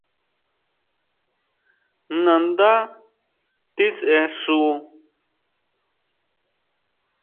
Nandá tisexu.